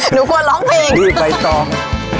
หนูควรร้องเพลง